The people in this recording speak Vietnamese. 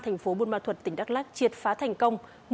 thành phố buôn ma thuật tỉnh đắk lắc triệt phá thành công